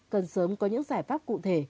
cần sớm có những giải pháp cụ thể